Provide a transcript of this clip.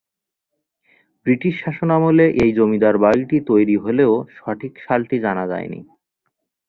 British শাসনামলে এই জমিদার বাড়িটি তৈরি হলেও সঠিক সালটি জানা যায়নি।